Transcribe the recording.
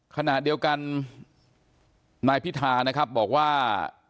ขณะเดียวกันนายพิธานะครับบอกว่า